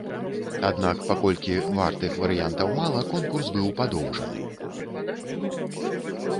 Аднак, паколькі вартых варыянтаў мала, конкурс быў падоўжаны.